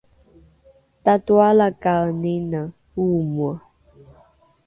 tatoalakaenine oomoe